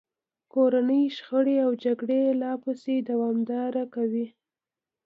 کورنۍ شخړې او جګړې لا پسې دوامداره کوي.